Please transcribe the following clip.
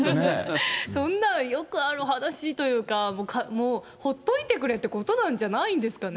そんなのよくある話というか、ほっといてくれってことなんじゃないんですかね。